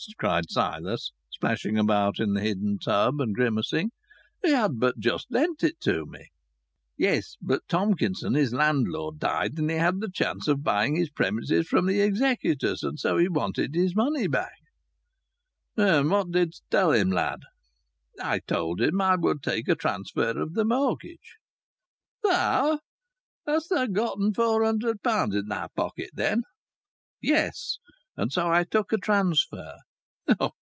cried Silas, splashing about in the hidden tub and grimacing. "He had but just lent it me." "Yes, but Tomkinson, his landlord, died, and he had the chance of buying his premises from the executors. And so he wanted his money back." "And what didst tell him, lad?" "I told him I would take a transfer of the mort gage." "Thou! Hadst gotten four hundred pounds i' thy pocket, then?" "Yes. And so I took a transfer."